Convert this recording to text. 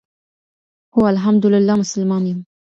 هو ألحمد لله مسلمان يم،